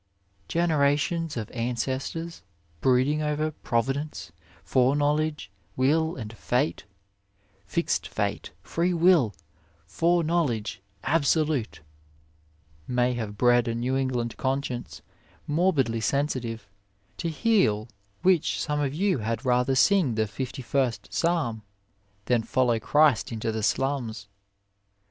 Generations of an cestors, brooding over "Pro vidence, Foreknowledge, Will and Fate Fixed fate, free will, foreknowledge, absolute," may 24 OF LIFE have bred a New England conscience, morbidly sensitive, to heal which some of you had rather sing the 5ist Psalm than follow Christ into the slums.